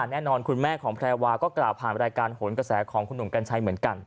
แน่นอนคุณแม่ของแพรวาก็กล่าวผ่านรายการโหนกระแสของคุณหนุ่มกัญชัยเหมือนกัน